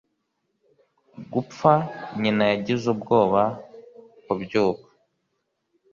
gupfa nyina yagize ubwoba kubyuka